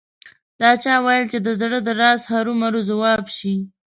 دا چا ویل چې د زړه د راز هرو مرو ځواب شي